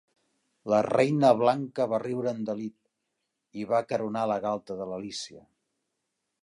La Reina Blanca va riure amb delit i va acaronar la galta de l'Alícia.